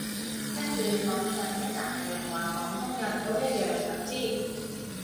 跟住網上一柞人話廣東人都一樣咁支